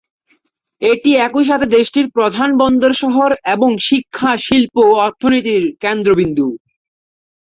এটি একই সাথে দেশটির প্রধান বন্দর শহর এবং শিক্ষা, শিল্প ও অর্থনীতির কেন্দ্রবিন্দু।